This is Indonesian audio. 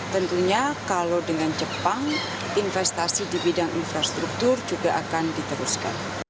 tentunya kalau dengan jepang investasi di bidang infrastruktur juga akan diteruskan